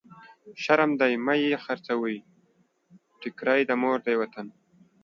شرم دی مه يې خرڅوی، ټکری د مور دی وطن.